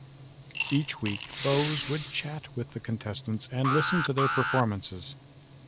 Each week, Bowes would chat with the contestants and listen to their performances.